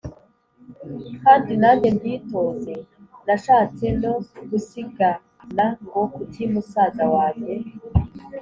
kandi nange mbyitoze. Nashatse no gusigana ngo kuki musaza wange